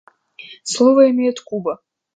Слово имеет Куба.